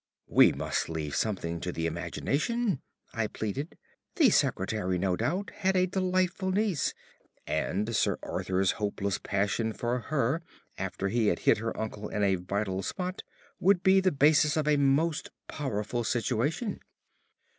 "We must leave something to the imagination," I pleaded. "The Secretary no doubt had a delightful niece, and Sir Arthur's hopeless passion for her, after he had hit her uncle in a vital spot, would be the basis of a most powerful situation."